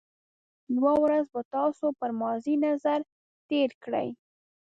یو ورځ به تاسو پر ماضي نظر تېر کړئ.